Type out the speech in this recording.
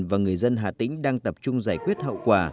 và người dân hà tĩnh đang tập trung giải quyết hậu quả